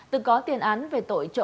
từng có tiền án về tội trộm cắp điện thoại